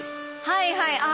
はいはいあ